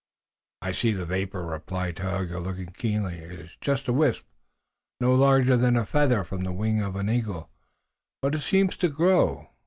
"I see the vapor," replied Tayoga, looking keenly. "It is just a wisp, no larger than a feather from the wing of an eagle, but it seems to grow.